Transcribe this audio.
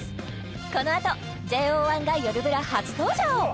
このあとＪＯ１が「よるブラ」初登場！